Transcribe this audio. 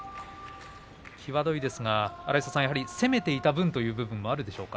際どいですが攻めていた分ということもあるでしょうか。